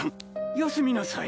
休みなさい。